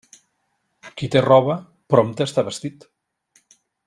Qui té roba, prompte està vestit.